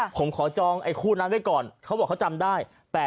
ผมขอจองไอ้คู่นั้นไว้ก่อนเขาบอกเขาจำได้